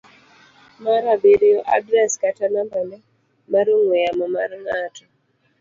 mar abiriyo. Adres kata nambane mar ong'we yamo mar ng'at